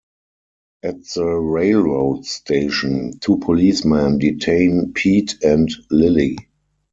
At the railroad station, two policemen detain Pete and Lily.